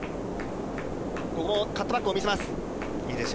ここカットバックを見せます。